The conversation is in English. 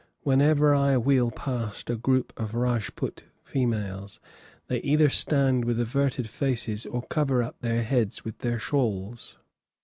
Whenever I wheel past a group of Rajput females, they either stand with averted faces or cover up their heads with their shawls.